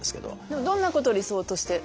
でもどんなことを理想として？